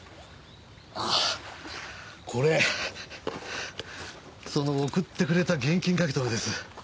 ああこれその送ってくれた現金書留です。